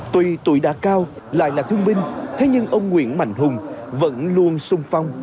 tuy tuổi đã cao lại là thương minh thế nhưng ông nguyễn mạnh hùng vẫn luôn sung phong